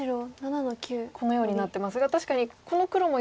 このようになってますが確かにこの黒も弱いし。